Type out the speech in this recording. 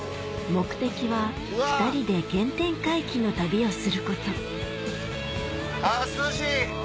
目的は２人で原点回帰の旅をすることあ涼しい！